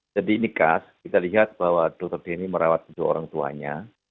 jadi ini khas kita lihat bahwa dr denny merawat dua orang tuanya